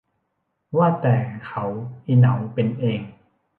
ว่าแต่เขาอิเหนาเป็นเอง